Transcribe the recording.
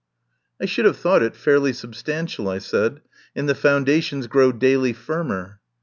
"I should have thought it fairly substan tial," I said, "and the foundations grow daily firmer."